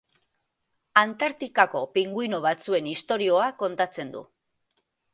Antartikako pinguino batzuen istorioa kontatzen du.